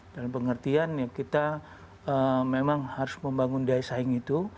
dan pengertian ya kita memang harus membangun daya saing itu